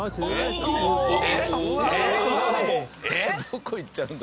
「どこ行っちゃうんだ！」